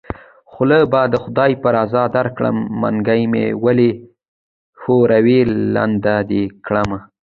خوله به د خدای په رضا درکړم منګۍ مې ولی ښوروی لنده دې کړمه